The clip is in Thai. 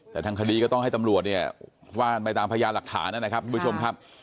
แต่ทางคดีก็ต้องให้ตำรวจว่าไปตามพยายามหลักฐานนะครับ